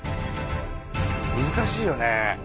難しいよね。